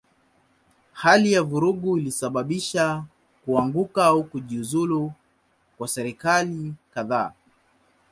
Hali ya vurugu ilisababisha kuanguka au kujiuzulu kwa serikali kadhaa.